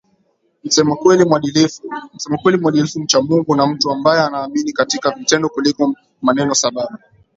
msema kweli mwadilifu mcha Mungu na mtu ambaye anaamini katika vitendo kuliko manenoSababu